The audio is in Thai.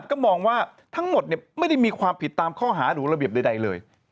ก็มองว่าทั้งหมดไม่ได้มีความผิดตามข้อหาหรือระเบียบใดเลย